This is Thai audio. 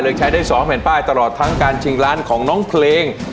ใช้ได้๒แผ่นป้ายตลอดทั้งการชิงล้านของน้องเพลง